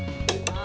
あ！